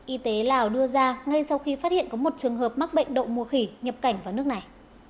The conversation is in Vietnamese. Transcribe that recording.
y tế lào đưa ra ngay sau khi phát hiện có một trường hợp mắc bệnh đậu mùa khỉ nhập cảnh vào nước này